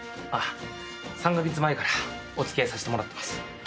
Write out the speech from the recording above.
あっ３カ月前からお付き合いさせてもらってます。